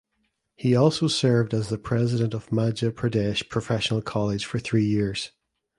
He also served as the President of Madhya Pradesh Professional College for three years.